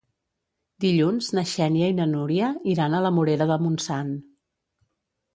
Dilluns na Xènia i na Núria iran a la Morera de Montsant.